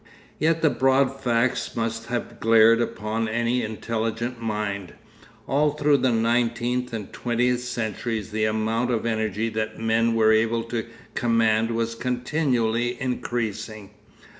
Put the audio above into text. Yet the broad facts must have glared upon any intelligent mind. All through the nineteenth and twentieth centuries the amount of energy that men were able to command was continually increasing.